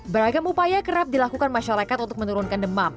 beragam upaya kerap dilakukan masyarakat untuk menurunkan demam